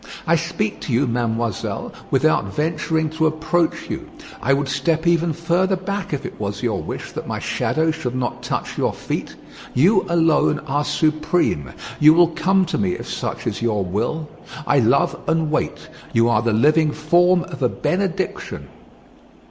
I speak to you, mademoiselle, without venturing to approach you; I would step even further back if it was your wish that my shadow should not touch your feet. You alone are supreme. You will come to me if such is your will. I love and wait. You are the living form of a benediction."